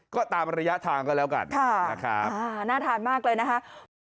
ก็ตามระยะทางก็แล้วกันนะครับน่าทานมากเลยนะคะ